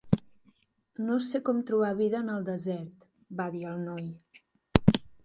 "No sé com trobar vida en el desert", va dir el noi.